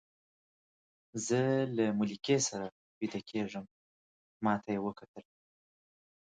زه له ملکې سره ویده کېږم، ما ته یې وکتل.